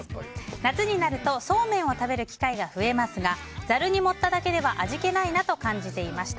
夏になると、そうめんを食べる機会が増えますがざるに盛っただけでは味気ないなと感じていました。